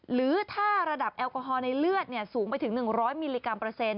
หรือถ้าระดับแอลกอฮอลในเลือดสูงไปถึง๑๐๐มิลลิกรัมเปอร์เซ็นต